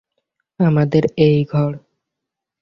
আমাদের এই ঘর।